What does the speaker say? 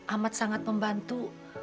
amat sangat membantu